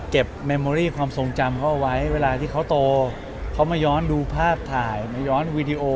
เมมโมรี่ความทรงจำเขาเอาไว้เวลาที่เขาโตเขามาย้อนดูภาพถ่ายมาย้อนวีดีโอ